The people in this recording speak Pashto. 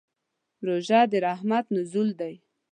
روژه د رحمت نزول دی.